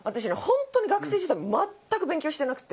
本当に学生時代全く勉強してなくて。